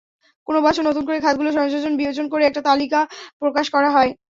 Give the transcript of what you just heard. কোনো বছর নতুন করে খাতগুলো সংযোজন-বিয়োজন করে একাটি তালিকা প্রকাশ করা হয়।